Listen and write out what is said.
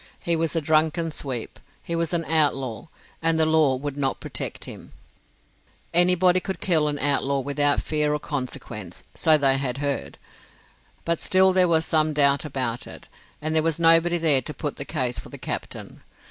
He was a drunken sweep. He was an outlaw, and the law would not protect him. Anybody could kill an outlaw without fear of consequences, so they had heard. But still there was some doubt about it, and there was nobody there to put the case for the captain.